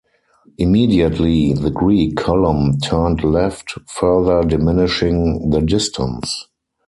Immediately the Greek column turned left, further diminishing the distance.